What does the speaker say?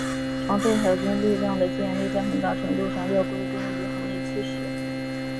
常备海军力量的建立在很大程度上要归功于亨利七世。